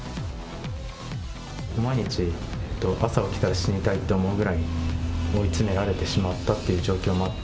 毎日、朝起きたら死にたいって思うぐらい追い詰められてしまったという状況もあって。